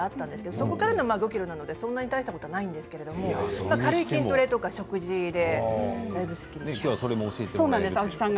それからの５、６ｋｇなのでそんなに大したことはないんですが軽い筋トレや食事で注意しました。